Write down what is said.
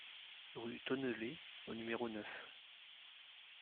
Rue Tonnellé au numéro neuf